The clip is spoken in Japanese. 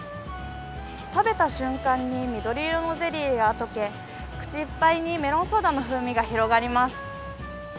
食べた瞬間に緑色のゼリーが溶け、口いっぱいにメロンソーダの風味が広がります。